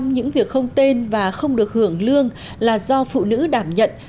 bảy mươi năm những việc không tên và không được hưởng lương là do phụ nữ đảm nhận